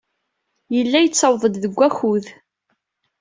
Yella yettaweḍ-d deg wakud.